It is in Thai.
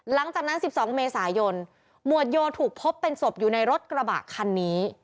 หลังจากนั้น๑๒เมษายนหมวดโยถูกพบเป็นศพอยู่ในรถกระบะคันนี้